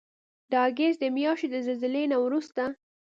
د اګست د میاشتې د زلزلې نه وروسته